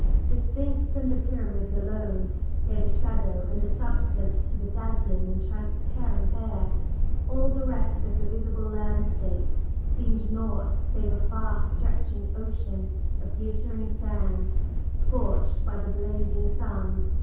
The Sphinx and the Pyramids alone gave a shadow and a substance to the dazzling and transparent air, all the rest of the visible landscape seemed naught save a far stretching ocean of glittering sand, scorched by the blazing sun.